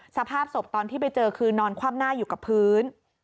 สภาพศพตอนที่ไปเจอคือนอนคว่ำหน้าอยู่กับพื้น